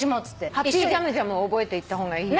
『ハッピー・ジャムジャム』覚えていった方がいいよ。